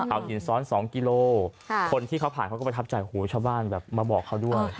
เอาหินซ้อน๒กิโลเมตรคนที่เขาผ่านโอ้โหชาวบ้านมาบอกเขาด้วย